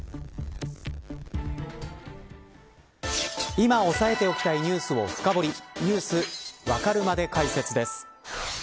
今押さえておきたいニュースを深掘りニュースわかるまで解説です。